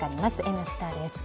「Ｎスタ」です。